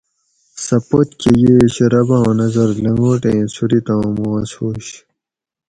سہۤ پتکہۤ ییٔش رب آۤں نظر لنگوٹ ایں صورِت آں ماس ہُوش